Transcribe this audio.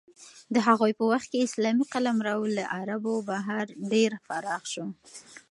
د هغوی په وخت کې اسلامي قلمرو له عربو بهر ډېر پراخ شو.